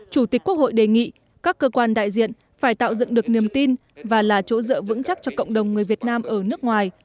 chủ tịch quốc hội đề nghị các cơ quan đại diện phải tạo dựng được niềm tin và là chỗ dựa vững chắc cho cộng đồng người việt nam ở nước ngoài